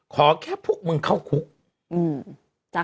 ขอแค่พวกมึงเข้าคุก